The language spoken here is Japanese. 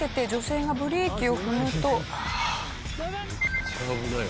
めっちゃ危ない。